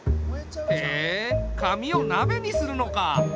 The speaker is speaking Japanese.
へえ紙をなべにするのか。